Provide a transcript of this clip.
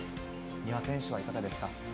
丹羽選手はいかがですか？